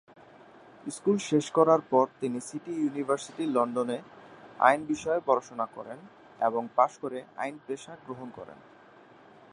School শেষ করার পর তিনি সিটি ইউনিভার্সিটি লন্ডনে আইন বিষয়ে পড়াশুনা করেন এবং পাশ করে আইন পেশা গ্রহণ করেন।